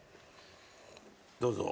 どうぞ。